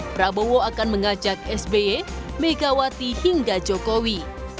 prabowo akan mengajak sby megawati hingga jokowi